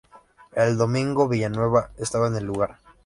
El domingo Villanueva estaba en el lugar.